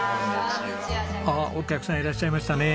あっお客さんいらっしゃいましたね。